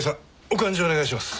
お勘定お願いします。